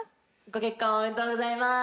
ご結婚おめでとうございます。